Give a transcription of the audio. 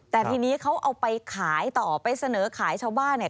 แต่ทีนี้เขาเอาไปขายต่อไปเสนอขายชาวบ้านเนี่ย